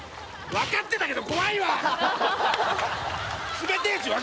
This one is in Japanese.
分かってたけど冷てえわ。